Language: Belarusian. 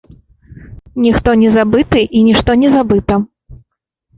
Ніхто не забыты і нішто не забыта.